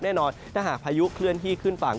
แน่นอนถ้าหากพายุเคลื่อนที่ขึ้นฝั่ง